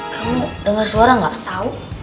kamu denger suara gak tau